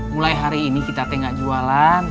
mulai hari ini kita teh gak jualan